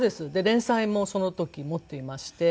連載もその時持っていまして。